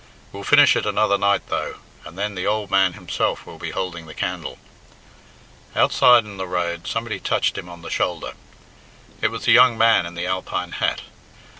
We'll finish it another night though, and then the ould man himself will be houlding the candle." Outside in the road somebody touched him on the shoulder. It was the young man in the Alpine hat.